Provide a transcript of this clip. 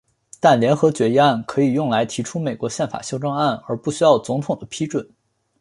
但联合决议案可以用来提出美国宪法修正案而不需要总统的批准。